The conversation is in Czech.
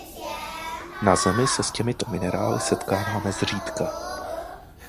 Na Zemi se s těmito minerály setkáváme zřídka.